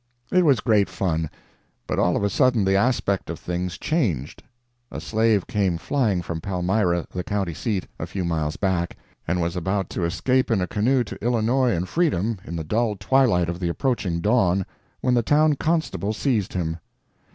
It was great fun. But all of a sudden the aspect of things changed. A slave came flying from Palmyra, the county seat, a few miles back, and was about to escape in a canoe to Illinois and freedom in the dull twilight of the approaching dawn, when the town constable seized him.